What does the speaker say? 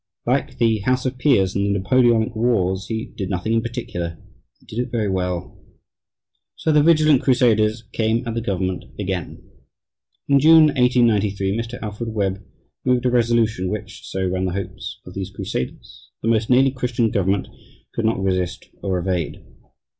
Like the House of Peers in the Napoleonic wars, he "did nothing in particular and did it very well." So the vigilant crusaders came at the government again. In June, 1893, Mr. Alfred Webb moved a resolution which (so ran the hopes of these crusaders) the most nearly Christian government could not resist or evade.